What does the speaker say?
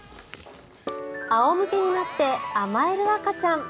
仰向けになって甘える赤ちゃん。